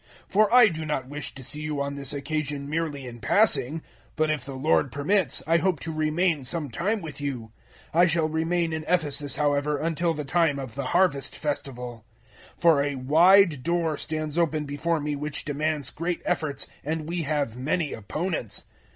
016:007 For I do not wish to see you on this occasion merely in passing; but if the Lord permits, I hope to remain some time with you. 016:008 I shall remain in Ephesus, however, until the time of the Harvest Festival, 016:009 for a wide door stands open before me which demands great efforts, and we have many opponents.